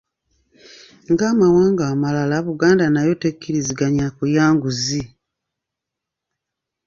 Ng’amawanga amalala, Buganda nayo tekkiriziganya kulya nguzi.